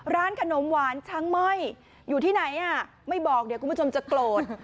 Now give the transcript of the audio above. ร้านขนมหวานช้างม่อยอยู่ที่ไหนไม่บอกเดี๋ยวคุณผู้ชมจะโกรธ